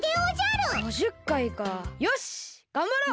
５０回かよしがんばろう！